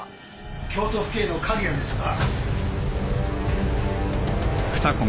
京都府警の狩矢ですが。